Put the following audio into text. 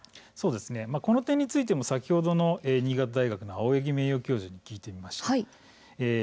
この点についても先ほどの新潟大学の青柳名誉教授に聞いてみました。